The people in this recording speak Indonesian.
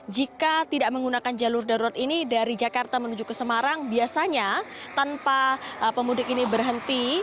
jika tidak menggunakan jalur darurat ini dari jakarta menuju ke semarang biasanya tanpa pemudik ini berhenti